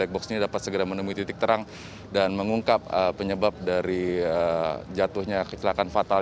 yang di black box ini dapat segera menemui titik terang dan mengungkap penyebab dari jatuhnya kecelakaan fatal